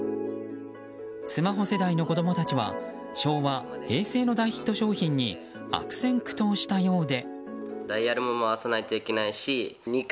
スマホ世代の子供たちは昭和・平成の大ヒット商品に悪戦苦闘したようで。